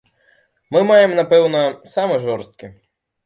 Мы маем, напэўна, самы жорсткі.